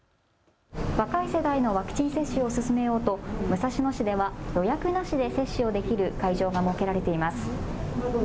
若い世代のワクチン接種を進めようと武蔵野市では予約なしで接種をできる会場が設けられています。